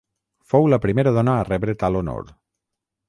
Fou la primera dona a rebre tal honor.